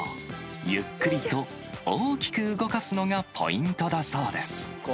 ゆっくりと大きく動かすのがポイントだそうです。